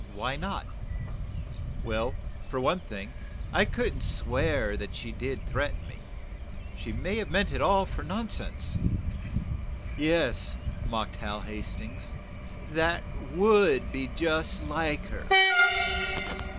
"Why not?" "Well, for one thing, I couldn't swear that she did threaten me. She may have meant it all for nonsense." "Yes," mocked Hal Hastings. "That, would be just like her!"